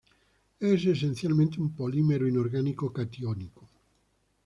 Es esencialmente un polímero inorgánico catiónico.